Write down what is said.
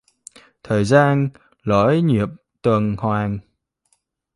Thời gian lỗi nhịp tuần hoàn